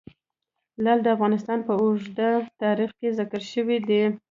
لعل د افغانستان په اوږده تاریخ کې ذکر شوی دی.